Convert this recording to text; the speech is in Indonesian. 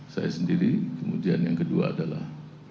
saya sendiri kemudian yang kedua adalah